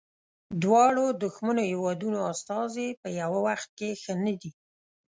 دواړو دښمنو هیوادونو استازي په یوه وخت کې ښه نه دي.